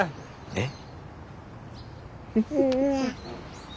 えっ？